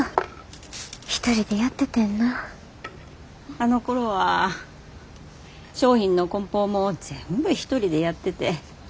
あのころは商品のこん包も全部一人でやってて。